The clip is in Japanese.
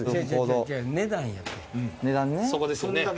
そこですよね。